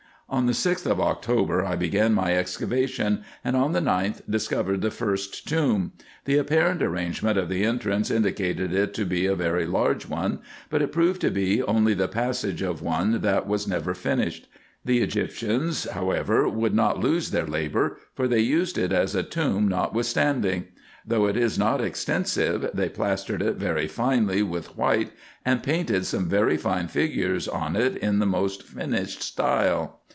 On the Gth of October I began my excavation, and on the 9th discovered the first tomb : the apparent arrangement of the entrance indicated it to be a very large one ; but it proved to be only the passage of one that was never finished. The Egyptians, however, would not lose their labour, for they used it as a tomb notwith standing. Though it is not extensive, they plastered it very finely with white, and painted some very fine figures on it in the most finished style.